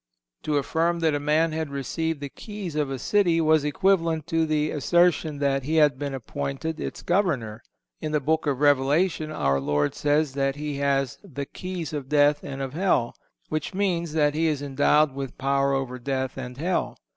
To affirm that a man had received the keys of a city was equivalent to the assertion that he had been appointed its governor. In the Book of Revelation our Savior says that He has "the keys of death and of hell,"(157) which means that He is endowed with power over death and hell.